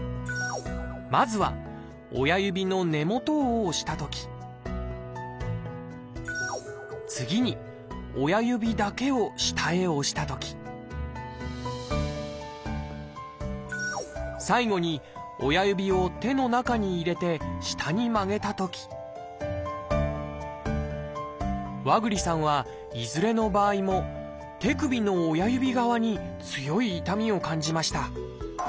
まずは親指の根元を押したとき次に親指だけを下へ押したとき最後に親指を手の中に入れて下に曲げたとき和栗さんはいずれの場合も手首の親指側に強い痛みを感じました。